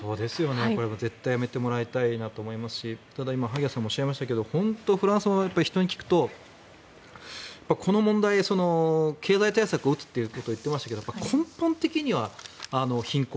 これは絶対やめてもらいたいと思いますしただ、今萩谷さんもおっしゃいましたが本当に、フランスの人に聞くとこの問題、経済対策を打つということを言っていましたが根本的には貧困。